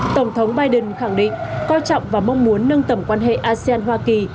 tổng thống biden khẳng định coi trọng và mong muốn nâng tầm quan hệ asean hoa kỳ